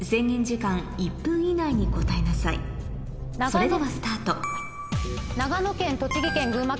それではスタート早！